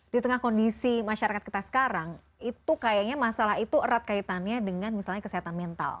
di tengah kondisi masyarakat kita sekarang itu kayaknya masalah itu erat kaitannya dengan misalnya kesehatan mental